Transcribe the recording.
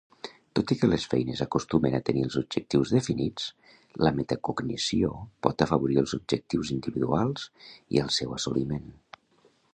Tot i que les feines acostumen a tenir els objectius definits, la metacognició por afavorir els objectius individuals i el seu assoliment.